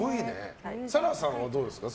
紗来さんはどうですか？